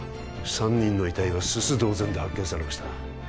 ３人の遺体は煤同然で発見されました